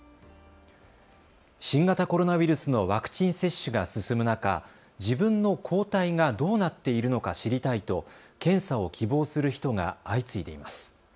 新型コロナウイルスのワクチン接種が進む中、自分の抗体がどうなっているのか知りたいと検査を希望する人が相次いでいます。